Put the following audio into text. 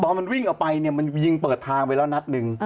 มันวิ่งออกไปเนี่ยมันยิงเปิดทางไปแล้วนัดหนึ่ง